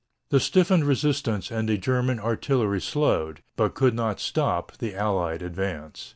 The stiffened resistance and the German artillery slowed, but could not stop, the Allied advance.